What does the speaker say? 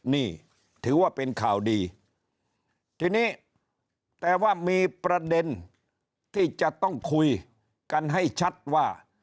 นี่ถือว่าเป็นข่าวดีทีนี้แต่ว่ามีประเด็นที่จะต้องคุยกันให้ชัดว่า